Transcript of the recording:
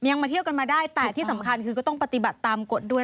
มาเที่ยวกันมาได้แต่ที่สำคัญคือก็ต้องปฏิบัติตามกฎด้วย